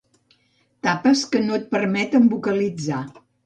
Tapes que no et permeten vocalitzar.